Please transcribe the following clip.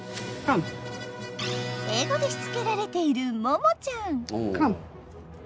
英語でしつけられているももちゃん。